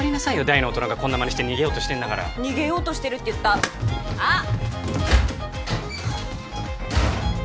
大の大人がこんなマネして逃げようとしてんだから逃げようとしてるって言ったあっ！